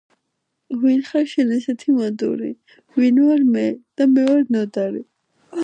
ვინ ხარ შენ ესეთი მოდური ვინ ვარ მე და მე ვარ ნოდარი